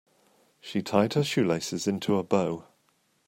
She tied her shoelaces into a bow.